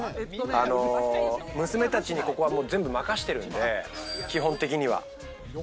娘たちに、ここは全部任してるんで基本的には。